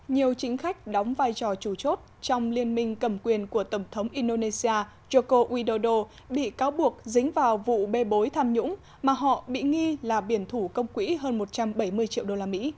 nhiều chính khách đóng vai trò chủ chốt trong liên minh cầm quyền của tổng thống indonesia joko widodo bị cáo buộc dính vào vụ bê bối tham nhũng mà họ bị nghi là biển thủ công quỹ hơn một trăm bảy mươi triệu đô la mỹ